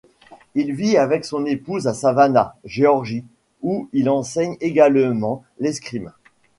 Il vit avec son épouse à Savannah, Géorgie, où il enseigne également l'escrime.